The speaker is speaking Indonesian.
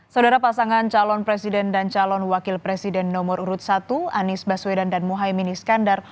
saudara pasangan calon presiden dan calon wakil presiden nomor urut satu anies baswedan dan muhaymin iskandar